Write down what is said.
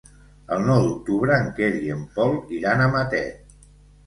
El nou d'octubre en Quer i en Pol iran a Matet.